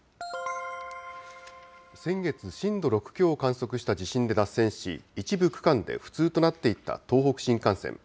先月、震度６強を観測した地震で脱線し、一部区間で不通となっていた東北新幹線。